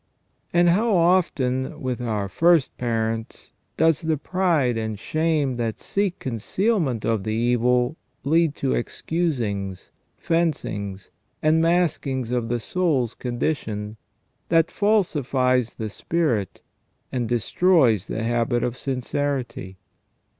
And how often, as with our first parents, does the pride and shame that seek concealment of the evil, lead to excusings, fencings, and maskings of the soul's condition, that falsifies the spirit and destroys the habit of sincerity.